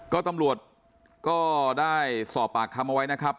ก็ตำรวจก็ได้สอบปากคำเอาไว้นะครับ